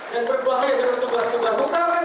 dan berbahaya dengan kebas kebas